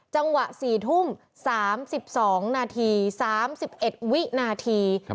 จังหวะ๔ทุ่ม๓๒นาที๓๑วินาที